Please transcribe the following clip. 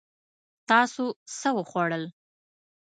تاسو څه وخوړل؟